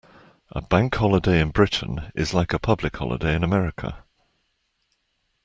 A Bank Holiday in Britain is like a public holiday in America